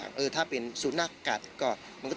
มันไม่ใช่แหละมันไม่ใช่แหละ